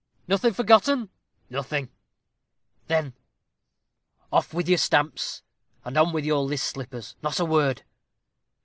"Nothing forgotten?" "Nothing." "Then off with your stamps, and on with your list slippers; not a word.